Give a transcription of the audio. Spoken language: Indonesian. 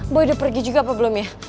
boleh udah pergi juga apa belum ya